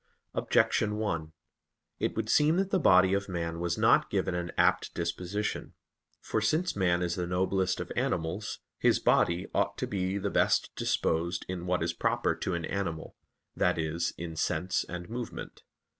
Objection 1: It would seem that the body of man was not given an apt disposition. For since man is the noblest of animals, his body ought to be the best disposed in what is proper to an animal, that is, in sense and movement.